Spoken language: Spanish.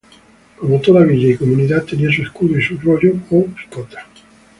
Como toda villa y comunidad, tenía su escudo y su rollo o picota.